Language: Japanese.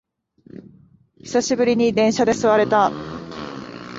久しぶりに電車で座れた